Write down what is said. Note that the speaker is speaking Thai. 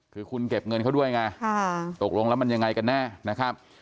คือคุณเก็บเงินเขาด้วยไงตกลงแล้วมันยังไงกันแน่นะครับ